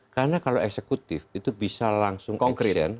karena kalau eksekutif itu bisa langsung action